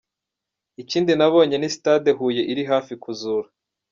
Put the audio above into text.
Ikindi nabonye ni stade Huye iri hafi kuzura.